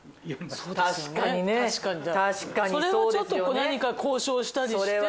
それはちょっと何か交渉したりして。